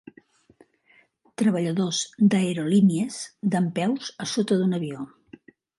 Treballadors d'aerolínies dempeus a sota d'un avió.